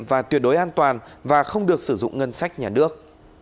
và tuyệt đối an toàn và không được sử dụng ngân sách nhà nước